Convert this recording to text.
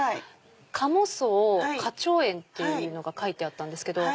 加茂荘花鳥園っていうのが書いてあったんですけど。